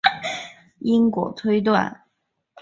该模型的意义在于统计意义上的因果推断。